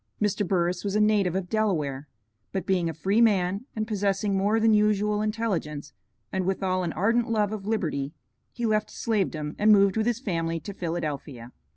Mr. Burris was a native of Delaware, but being a free man and possessing more than usual intelligence, and withal an ardent love of liberty, he left "slave dom" and moved with his family to Philadelphia.